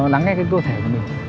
lắng nghe cơ thể của mình